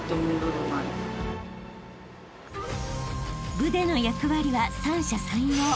［部での役割は三者三様］